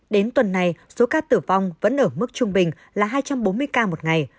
đến tuần này số ca tử vong vẫn ở mức trung bình là hai trăm bốn mươi ca một ngày